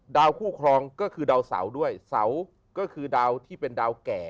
คู่ครองก็คือดาวเสาด้วยเสาก็คือดาวที่เป็นดาวแก่